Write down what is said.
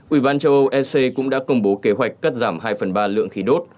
ủy ban châu âu ec cũng đã công bố kế hoạch cắt giảm hai phần ba lượng khí đốt